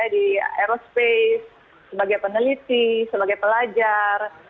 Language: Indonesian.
di aerospace sebagai peneliti sebagai pelajar